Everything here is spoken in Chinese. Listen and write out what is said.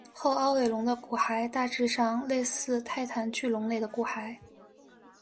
后凹尾龙的骨骸大致上类似泰坦巨龙类的骨骸。